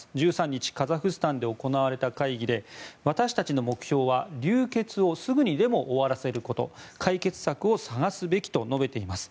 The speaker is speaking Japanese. １３日カザフスタンで行われた会議で私たちの目標は流血をすぐにでも終わらせること解決策を探すべきと述べています。